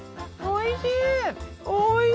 おいしい！